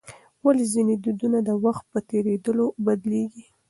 ولې ځینې دودونه د وخت په تېرېدو بدلیږي؟